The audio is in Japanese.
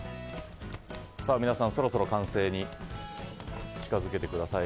皆さん、そろそろ完成に近づけてください。